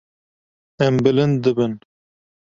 Em bilind dibin.